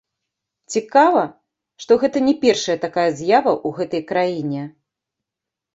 Цікава, што гэта не першая такая з'ява ў гэтай краіне.